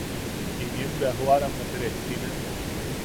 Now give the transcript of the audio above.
Inien bea joʼarammet rejtine.